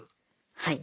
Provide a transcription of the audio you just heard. はい。